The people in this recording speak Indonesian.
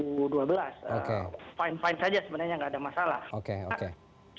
kalau soal over capacity itu kan harus diingat tidak hanya bisa didekati dengan melepaskan atau membebaskan tahanan sebanyak banyak